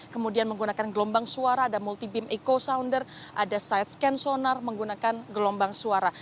kemudian menggunakan gelombang suara ada multi beam echo sounder ada side scan sonar menggunakan gelombang suara